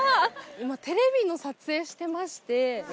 今テレビの撮影してまして。